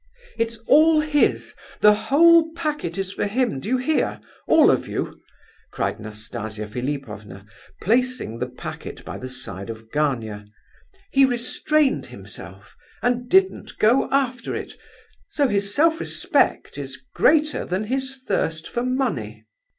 "It's all his—the whole packet is for him, do you hear—all of you?" cried Nastasia Philipovna, placing the packet by the side of Gania. "He restrained himself, and didn't go after it; so his self respect is greater than his thirst for money.